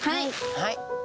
はい。